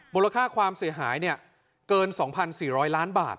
มูลค่าความเสียหายเกิน๒๔๐๐ล้านบาท